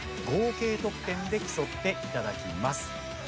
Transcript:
合計得点で競っていただきます。